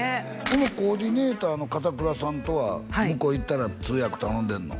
このコーディネーターの片倉さんとは向こう行ったら通訳頼んでんの？